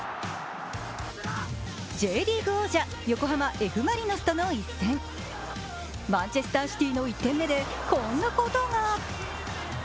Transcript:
Ｊリーグ王者横浜Ｆ・マリノスとの一戦マンチェスターシティの１点目でこんなことが。